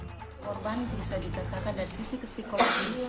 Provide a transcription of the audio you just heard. korban bisa ditetapkan dari sisi psikologi